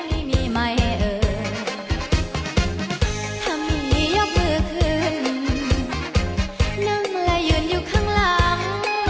ทำอย่างนี้ยอบเมื่อคืนนั่งละยืนอยู่ข้างหลัง